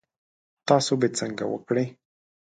تاسو به څنګه وکړی؟